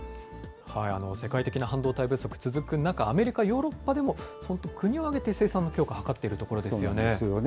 世界的な半導体不足続く中、アメリカ、ヨーロッパでも国を挙げて生産の強化図っているところですよね。